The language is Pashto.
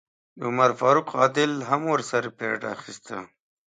د عمر فاروق عادل هم ورسره پیرډ اخیسته.